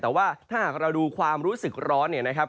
แต่ว่าถ้าหากเราดูความรู้สึกร้อนเนี่ยนะครับ